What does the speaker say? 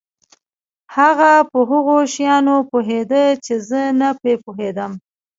هغه په هغو شیانو پوهېده چې زه نه په پوهېدم.